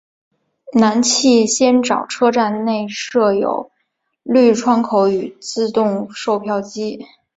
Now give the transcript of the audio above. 南气仙沼车站内设有绿窗口与自动售票机。